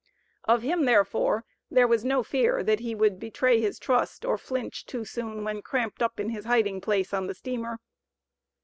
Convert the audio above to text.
Of him, therefore, there was no fear that he would betray his trust or flinch too soon when cramped up in his hiding place on the steamer.